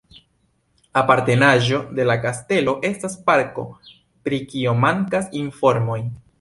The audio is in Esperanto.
Apartenaĵo de la kastelo estas parko, pri kio mankas informoj.